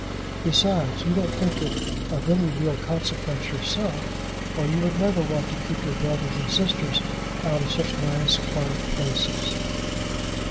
'Besides, you don't think it of any real consequence yourself, or you would never want to keep your brothers and sisters out of such nice quiet places!'